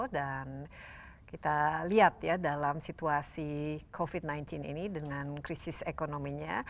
dan kita lihat ya dalam situasi covid sembilan belas ini dengan krisis ekonominya